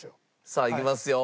さあいきますよ。